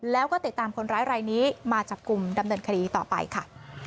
แล้วก็ติดตามคนร้ายรายนี้มาจับกลุ่มดำเนินคดีต่อไปค่ะ